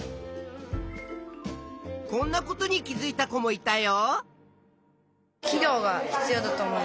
こんなことに気づいた子もいたよ。